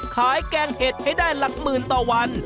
แกงเห็ดให้ได้หลักหมื่นต่อวัน